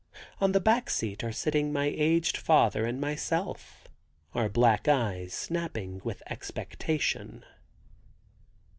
On the back seat are sitting my aged father and myself, our black eyes snapping with expectation.